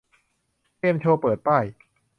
เกมโชว์เปิดป้าย